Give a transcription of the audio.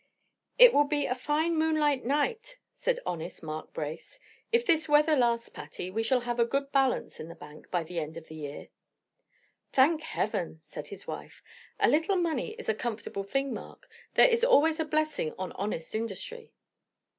"It will be a fine moonlight night," said honest Mark Brace. "If this weather lasts, Patty, we shall have a good balance in the bank by the end of the year." "Thank Heaven!" said his wife, "a little money is a comfortable thing, Mark; there is always a blessing on honest industry."